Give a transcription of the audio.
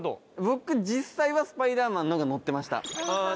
僕実際はスパイダーマンの方が乗ってました。